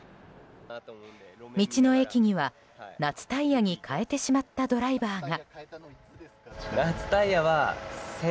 道の駅には、夏タイヤに変えてしまったドライバーが。